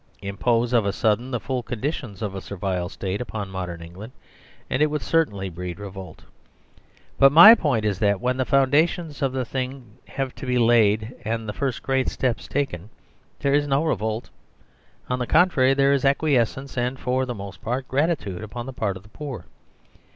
Impose of a sudden the full conditions of a Servile State upon modern England, and it would certainly breed revolt But my point is that when the foundations of the thing have to be laid and the first great steps taken, there is no revolt; on the con trary, there is acquiescence and for the most part gratitude upon the part of the poor.